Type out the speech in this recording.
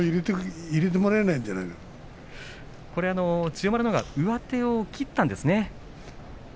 千代丸のほうが上手を切ったんですね。